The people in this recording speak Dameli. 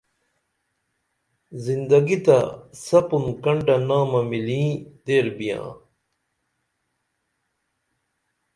زندگی تہ سپُن کنٹہ نامہ مِلیں تیر بیاں